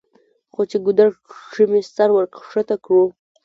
خو چې ګودر کښې مې سر ورښکته کړو